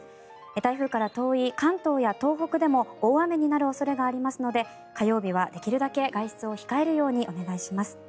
台風から遠い関東や東北でも大雨になる恐れがありますので火曜日はできるだけ外出を控えるようにお願いします。